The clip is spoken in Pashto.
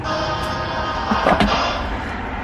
زاهده مه راوړه محفل ته توبه ګاري کیسې